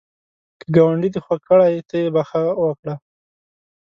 که ګاونډی دی خوږ کړي، ته یې بخښه وکړه